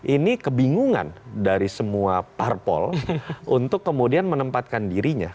ini kebingungan dari semua parpol untuk kemudian menempatkan dirinya